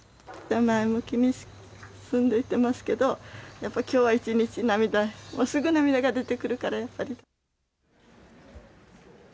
前向きに進んでいってますけど、やっぱりきょうは一日、涙、すぐ涙が出てくるから、やっぱり。